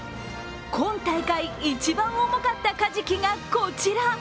今大会、一番重かったカジキがこちら。